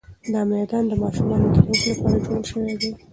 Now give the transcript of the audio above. دا میدان د ماشومانو د لوبو لپاره جوړ شوی دی.